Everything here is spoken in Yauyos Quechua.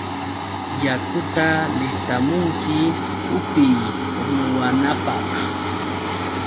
¡Yakuta listamunki upiy ruwanapaq!